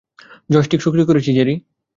Joystick সক্রিয় করেছি, Jerry.